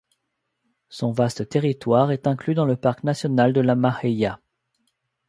Son vaste territoire est inclus dans le Parc national de la Majella.